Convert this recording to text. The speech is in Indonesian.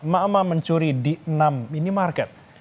mama mencuri di enam minimarket